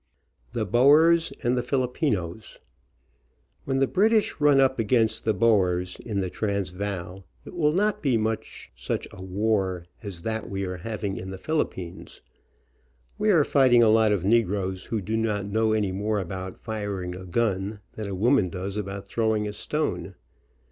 THE BOERS AND THE FILIPINOS. When the British run up against the Boers, in the Transvaal, it will not be much such a war as that we are having in the Philippines. We are fighting a lot of negroes who do not know any more about firing a gun than a woman does about throwing a stone.